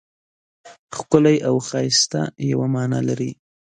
ښکلی او ښایسته یوه مانا لري.